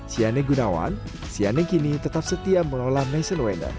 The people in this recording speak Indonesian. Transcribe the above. siannya gunawan siannya gini tetap setia melolah maison weiner